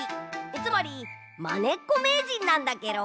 つまりまねっこめいじんなんだケロ。